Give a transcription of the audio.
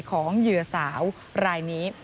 เหยื่อสาวรายนี้